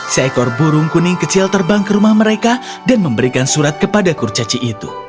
seekor burung kuning kecil terbang ke rumah mereka dan memberikan surat kepada kurcaci itu